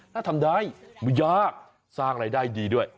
ถ้าทำได้ไม่ยากสร้างรายได้ดีด้วย